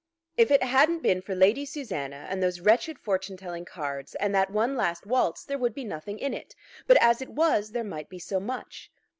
If it hadn't been for Lady Susanna and those wretched fortune telling cards, and that one last waltz, there would be nothing in it; but as it was, there might be so much!